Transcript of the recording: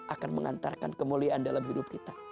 akan mengantarkan kemuliaan dalam hidup kita